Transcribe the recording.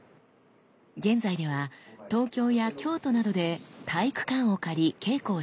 現在では東京や京都などで体育館を借り稽古をしています。